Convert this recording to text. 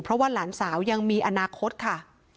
เพราะว่าหลานสาวยังมีอนาคตค่ะ